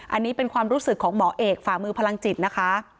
อันนี้เป็นความรู้สึกของหมอเอกฝ่ามือพลังจิตนะคะ